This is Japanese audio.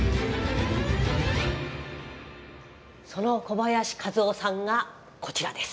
その小林和男さんがこちらです。